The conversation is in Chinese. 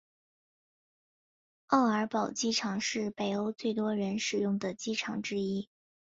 奥尔堡机场是北欧最多人使用的机场之一。